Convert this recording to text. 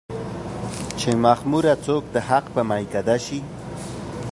چې مخموره څوک د حق په ميکده شي